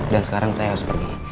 dan sekarang saya harus pergi